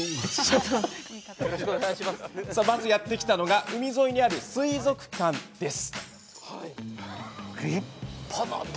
まず、やって来たのが海沿いにある水族館です。